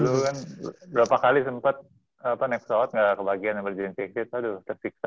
dulu kan berapa kali sempat naik pesawat nggak kebagian emergency exit aduh tersiksa